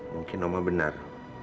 mungkin oma benar